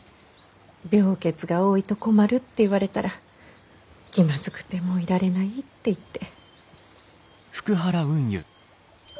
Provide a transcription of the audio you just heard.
病欠が多いと困るって言われたら気まずくてもう居られないって言って。